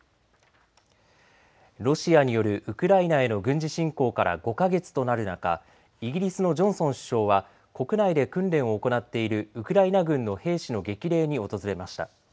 ロシアによるウクライナへの軍事侵攻から５か月となる中、イギリスのジョンソン首相は国内で訓練を行っているウクライナ軍の兵士の激励に訪れました。